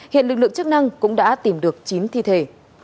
hiện lực lượng chức năng cũng đã tìm được chín thi thể